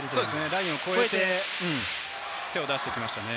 ラインを越えて手を出していましたね。